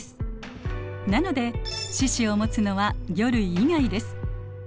なので四肢をもつのは魚類以外です。